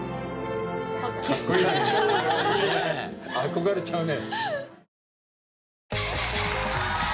憧れちゃうね。